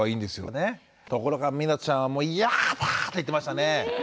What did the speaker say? ところがみなとちゃんは「嫌だ」って言ってましたね。